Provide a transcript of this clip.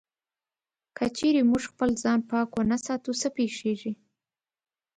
که چېرې موږ خپل ځان پاک و نه ساتو، څه پېښيږي؟